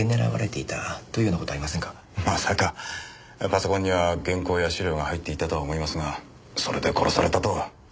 パソコンには原稿や資料が入っていたとは思いますがそれで殺されたとは。